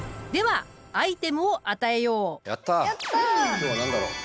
今日は何だろう？